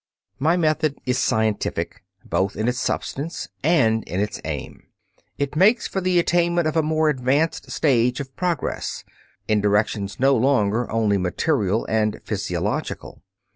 My method is scientific, both in its substance and in its aim. It makes for the attainment of a more advanced stage of progress, in directions no longer only material and physiological.